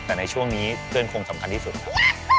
แต่ในช่วงนี้เพื่อนคงสำคัญที่สุดครับ